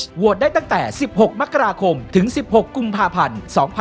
โหวตได้ตั้งแต่๑๖มกราคมถึง๑๖กุมภาพันธ์๒๕๖๒